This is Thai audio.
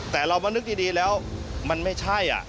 แต่เรามานึกดีแล้วมันไม่ใช่